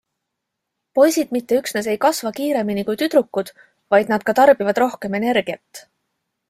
Poisid mitte üksnes ei kasva kiiremini kui tüdrukud, vaid nad ka tarbivad rohkem energiat.